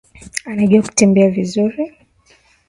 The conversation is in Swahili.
Anajua kutembea vizuri